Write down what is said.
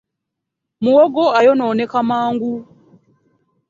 Muwogo ayononeka mangu